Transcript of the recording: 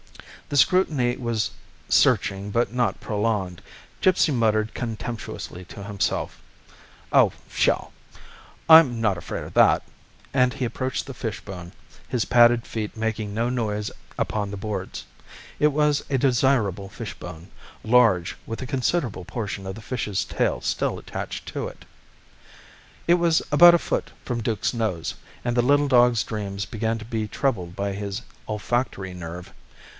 The scrutiny was searching but not prolonged. Gipsy muttered contemptuously to himself, "Oh, sheol; I'm not afraid o' that!" And he approached the fishbone, his padded feet making no noise upon the boards. It was a desirable fishbone, large, with a considerable portion of the fish's tail still attached to it. It was about a foot from Duke's nose, and the little dog's dreams began to be troubled by his olfactory nerve.